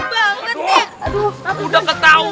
aduh calonku terjatuh